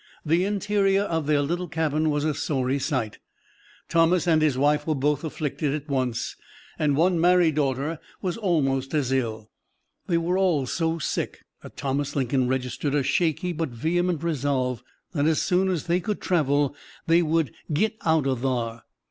The interior of their little cabin was a sorry sight Thomas and his wife were both afflicted at once, and one married daughter was almost as ill. They were all so sick that Thomas Lincoln registered a shaky but vehement resolve that as soon as they could travel they would "git out o' thar!"